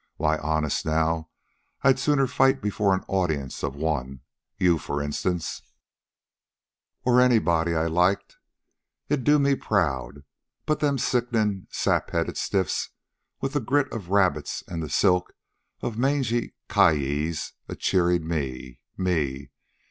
Why, honest, now, I'd sooner fight before an audience of one you for instance, or anybody I liked. It'd do me proud. But them sickenin', sap headed stiffs, with the grit of rabbits and the silk of mangy ky yi's, a cheerin' me ME!